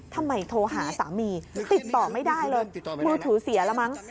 โทรหาสามีติดต่อไม่ได้เลยมือถือเสียแล้วมั้ง